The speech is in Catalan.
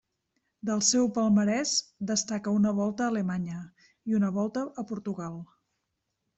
Del seu palmarès destaca una Volta a Alemanya i una Volta a Portugal.